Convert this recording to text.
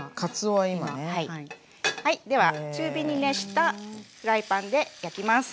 はいでは中火に熱したフライパンで焼きます。